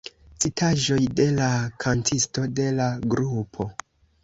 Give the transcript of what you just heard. Citaĵoj de la kantisto de la grupo.